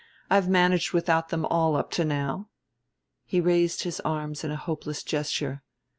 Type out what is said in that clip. "I've managed without them all up to now." He raised his arms in a hopeless gesture.